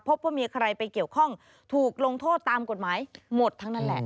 พบว่ามีใครไปเกี่ยวข้องถูกลงโทษตามกฎหมายหมดทั้งนั้นแหละ